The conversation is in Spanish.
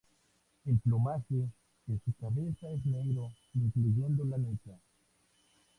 El plumaje de su cabeza es negro excluyendo la nuca.